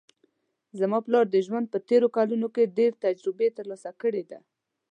زما پلار د ژوند په تېرو کلونو کې ډېر تجربې ترلاسه کړې ده